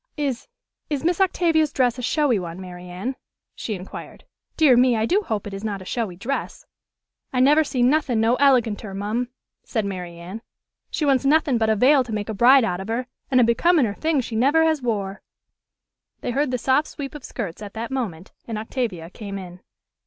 "Is is Miss Octavia's dress a showy one, Mary Anne?" she inquired. "Dear me, I do hope it is not a showy dress!" "I never see nothin' no eleganter, mum," said Mary Anne: "she wants nothin' but a veil to make a bride out of her an' a becominer thing she never has wore." They heard the soft sweep of skirts at that moment, and Octavia came in.